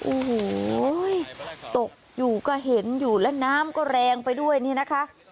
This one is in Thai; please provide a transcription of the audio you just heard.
โอ้โหตกอยู่ก็เห็นอยู่แล้วน้ำก็แรงไปด้วยนี่นะคะ